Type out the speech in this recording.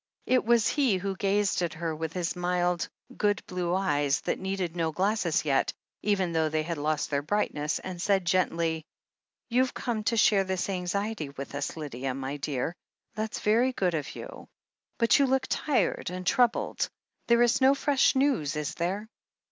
It was he who gazed at her with his mild, good blue eyes, that needed no glasses yet, even though they had lost their brightness, and said gently : "You've come to share this anxiety with us, Lydia, my dear. That's very good of you. But you look tired and troubled. There is no fresh news, is there